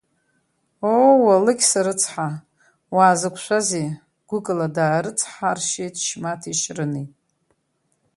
Оу, Алықьса рыцҳа, уаазықәшәазеи, гәыкала даарыцҳаршьеит Шьмаҭи Шьрыни.